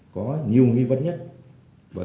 có nhiều nghi vấn nhất và